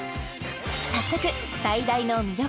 早速最大の魅力